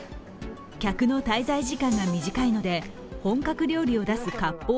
客の滞在時間が短いので本格料理を出すかっぽう